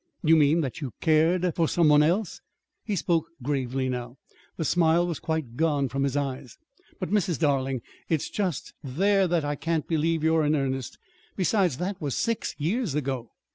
"You mean that you cared for some one else?" He spoke gravely now. The smile was quite gone from his eyes. "But, Mrs. Darling, it's just there that I can't believe you're in earnest. Besides, that was six years ago."